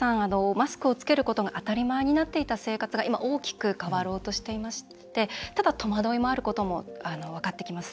マスクをつけることが当たり前になっていた生活が今大きく変わろうとしていましてただ、戸惑いがあることも分かってきます。